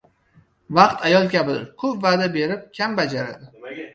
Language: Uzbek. • Vaqt ayol kabidir: ko‘p va’da berib, kam bajaradi.